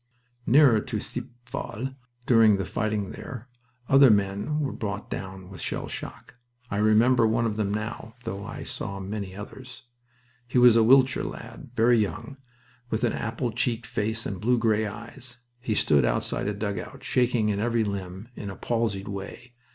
Nearer to Thiepval, during the fighting there, other men were brought down with shell shock. I remember one of them now, though I saw many others. He was a Wiltshire lad, very young, with an apple cheeked face and blue gray eyes. He stood outside a dugout, shaking in every limb, in a palsied way.